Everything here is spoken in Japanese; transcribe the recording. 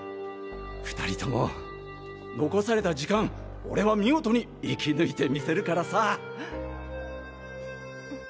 ２人とも残された時間俺は見事に生き抜いてみせるからさ。